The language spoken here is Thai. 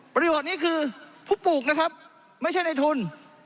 ประโยชน์นี้คือผู้ปลูกนะครับไม่ใช่ในทุน